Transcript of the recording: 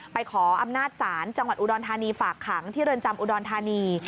ขออำนาจศาลจังหวัดอุดรธานีฝากขังที่เรือนจำอุดรธานี